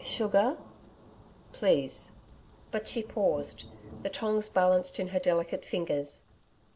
'Sugar?' 'Please.' But she paused, the tongs balanced in her delicate fingers.